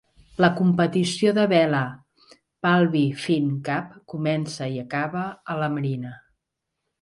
La competició de vela Palby Fyn Cup comença i acaba a la marina.